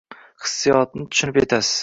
Hissiyotni tushunib yetasiz.